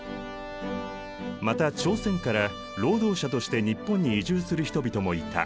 また朝鮮から労働者として日本に移住する人々もいた。